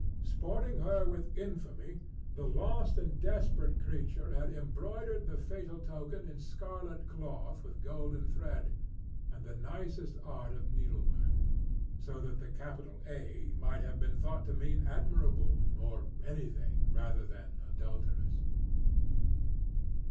Sporting with her infamy, the lost and desperate creature had embroidered the fatal token in scarlet cloth with golden thread and the nicest art of needlework; so that the capital A might have been thought to mean "Admirable," or anything rather than "Adulteress."